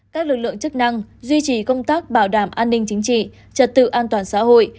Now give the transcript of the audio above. các lực lượng chức năng duy trì công tác bảo đảm an ninh chính trị trật tự an toàn xã hội